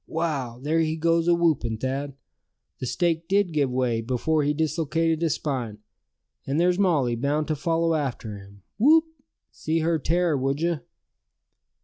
Wow! there he goes awhoopin', Thad! The stake did give way, before he dislocated his spine. And there's Molly bound to follow after him, whoop! see her tear, would you?"